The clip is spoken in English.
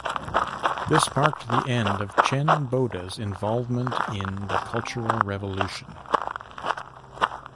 This marked the end of Chen Boda's involvement in the Cultural Revolution.